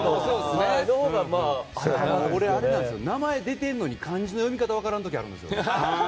俺、名前が出てるのに漢字の読み方が分からない時あるんですよ。